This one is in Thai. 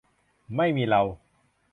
ไม่มีเรา